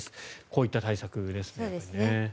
こういった対策ですね。